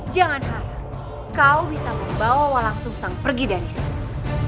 jangan harap kau bisa membawa langsung sang pergi dari sini